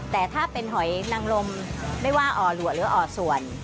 แต่ถ้าเป็นหอยนังลมไม่ว่าอ่อหลัวหรืออ่อส่วน